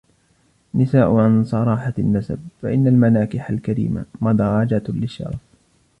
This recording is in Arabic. النِّسَاءِ عَنْ صَرَاحَةِ النَّسَبِ ، فَإِنَّ الْمَنَاكِحَ الْكَرِيمَةَ مَدْرَجَةٌ لِلشَّرَفِ